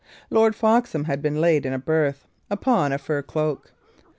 Lord Foxham had been laid in a berth upon a fur cloak.